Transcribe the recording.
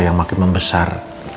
yang makin membesar